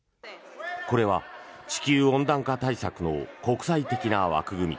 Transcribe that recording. これは地球温暖化対策の国際的な枠組み